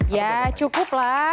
ya cukup lah